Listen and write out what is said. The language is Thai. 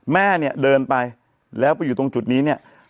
แม่เนี่ยเดินไปแล้วไปอยู่ตรงจุดนี้เนี่ย